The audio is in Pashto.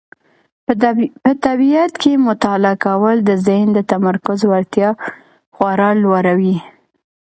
په طبیعت کې مطالعه کول د ذهن د تمرکز وړتیا خورا لوړوي.